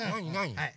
はい。